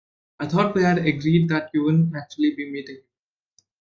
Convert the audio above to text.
I thought we'd agreed that you wouldn't actually be meeting him?